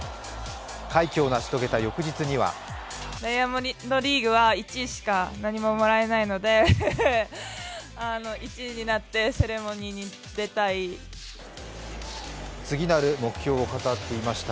快挙を成し遂げた翌日には次なる目標を語っていました。